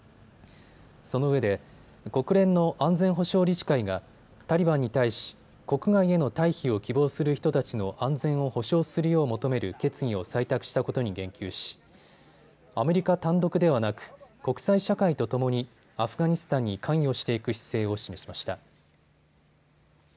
そのうえで国連の安全保障理事会がタリバンに対し国外への退避を希望する人たちの安全を保証するよう求める決議を採択したことに言及しアメリカ単独ではなく国際社会とともにアフガニスタンに関与していく姿勢を示しました。